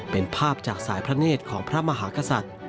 เป็นภาพจากสายพระเนธของพระมหากษัตริย์